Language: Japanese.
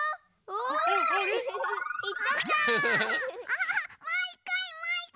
おい！